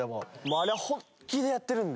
あれは本気でやってるんで。